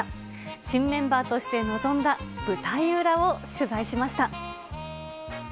新メンバーとして臨んだ舞台裏を取材しました。